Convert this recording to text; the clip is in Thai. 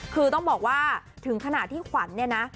คือต้องบอกว่าถึงขณะที่ขวัญเนี่ยนะ